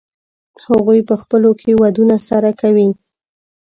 هغوی په خپلو کې ودونه سره کوي.